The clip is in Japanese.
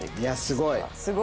すごい！